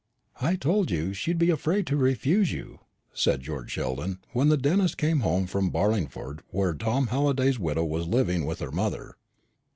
"I told you, she'd be afraid to refuse you," said George Sheldon, when the dentist came home from Barlingford, where Tom Halliday's widow was living with her mother.